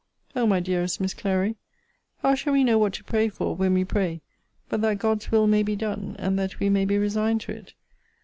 O my dearest Miss Clary, how shall we know what to pray for, when we pray, but that God's will may be done, and that we may be resigned to it!